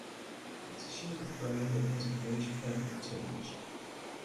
It is a shade of grey that has a bluish purplish tinge.